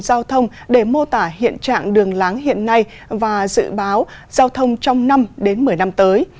giao thông để mô tả hiện trạng đường láng hiện nay và dự báo giao thông trong năm đến một mươi năm tới